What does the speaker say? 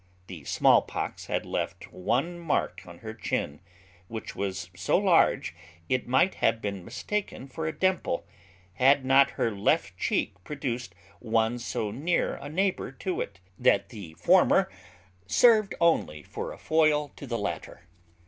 The small pox had left one only mark on her chin, which was so large, it might have been mistaken for a dimple, had not her left cheek produced one so near a neighbour to it, that the former served only for a foil to the latter.